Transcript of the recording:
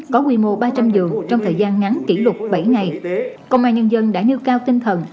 có quy mô ba trăm linh giường trong thời gian ngắn kỷ lục bảy ngày công an nhân dân đã nêu cao tinh thần